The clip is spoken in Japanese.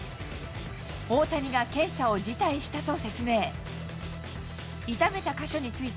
大谷が検査を辞退したと説明。